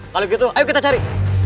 kalau gitu ayo kita cari